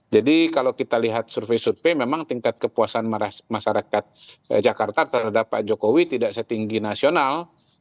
jadi kalau kita lihat survei survei memang tingkat kepuasan masyarakat jakarta terhadap pak jokowi tidak setinggi nasional